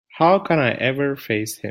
How can I ever face him?